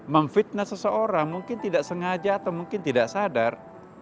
memfitnah seseorang mungkin tidak sengaja atau mungkin tidak sadar